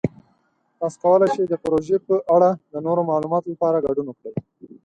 تاسو کولی شئ د پروژې په اړه د نورو معلوماتو لپاره ګډون وکړئ.